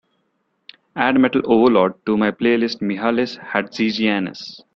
Add Metal Overload to my playlist Mihalis Hatzigiannis